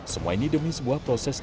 semua ini demi sebuah proses